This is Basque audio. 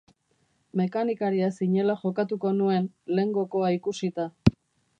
Mekanikaria zinela jokatuko nuen, lehengokoa ikusita.